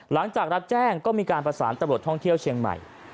หลังจากรับแจ้งก็มีการประสานตำรวจท่องเที่ยวเชียงใหม่